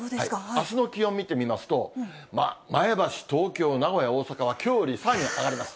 あすの気温見てみますと、前橋、東京、名古屋、大阪はきょうよりさらに上がります。